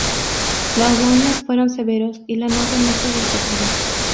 Los daños fueron severos y la nave no se reparó.